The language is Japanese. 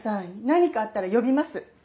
何かあったら呼びます。